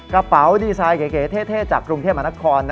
กระเป๋าดีไซน์เก๋เท่จากกรุงเทพมนตร์รักษณ์